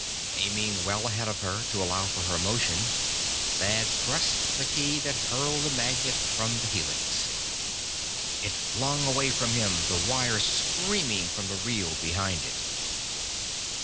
Aiming well ahead of her, to allow for her motion, Thad pressed the key that hurled the magnet from the helix. It flung away from him, the wire screaming from the reel behind it.